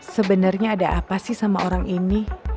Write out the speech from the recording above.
sebenarnya ada apa sih sama orang ini